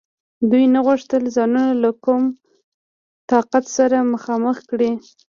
دوی نه غوښتل ځانونه له کوم طاقت سره مخامخ کړي.